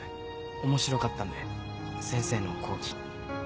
面白かったんで先生の講義。